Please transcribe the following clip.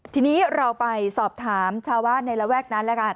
ทีนี้เราไปสอบถามชาวบ้านในระแวกนั้นแล้วกัน